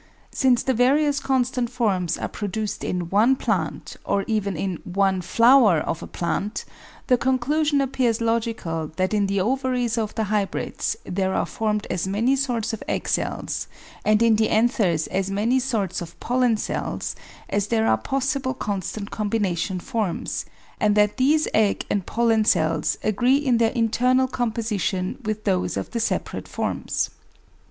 Since the various constant forms are pro duced in one plant, or even in one flower of a plant, the conclusion appears logical that in the ovaries of the hybrids there are formed as many sorts of egg cells, and in the anthers as many sorts of pollen cells, as there are possible constant combination forms, and APPENDIX 333 that these egg and pollen cells agree in their internal composition with those of the separate forms.